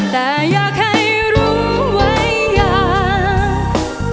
แต่อยากให้รู้ไว้อยาก